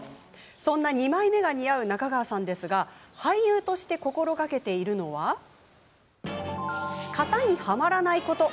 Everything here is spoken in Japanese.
そんな二枚目が似合う中川さんですが俳優として心がけているのは型にはまらないこと。